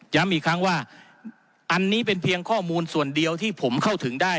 อีกครั้งว่าอันนี้เป็นเพียงข้อมูลส่วนเดียวที่ผมเข้าถึงได้